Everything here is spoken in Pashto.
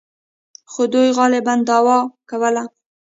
خو دوی غالباً دعوا کوله.